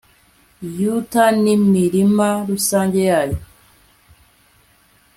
yuta n'imirima rusange yayo